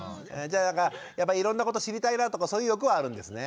じゃあいろんなこと知りたいなとかそういう欲はあるんですね。